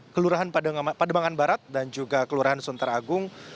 kelurahan pademangan barat dan juga kelurahan sunter agung